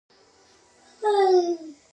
قرآن ولې د لارښوونې کتاب دی؟